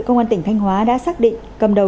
công an tỉnh thanh hóa đã xác định cầm đầu